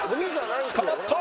捕まった！